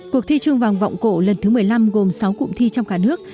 cuộc thi trung vòng vọng cổ lần thứ một mươi năm gồm sáu cụm thi trong cả nước